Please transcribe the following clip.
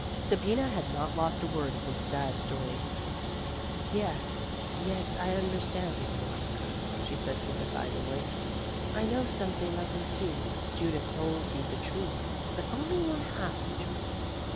Sabina had not lost a word of this sad story. "Yes, yes, I understand you, Veronica," she said sympathizingly. "I know something of this too. Judith told you the truth, but only one half the truth.